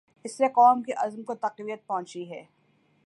اس سے قوم کے عزم کو تقویت پہنچی ہے۔